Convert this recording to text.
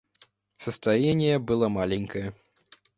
Состояние было маленькое.